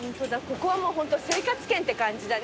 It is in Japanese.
ここはもう生活圏って感じだね。